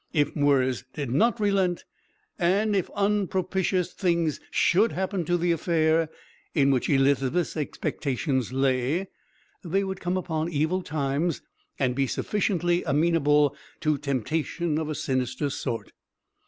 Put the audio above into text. If Mwres did not relent, and if unpropitious things should happen to the affair in which Elizabeth's expectations lay, they would come upon evil times and be sufficiently amenable to temptation of a sinister sort.